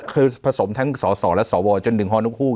คือผสมทั้งสสและสวจนถึงฮนกฮูก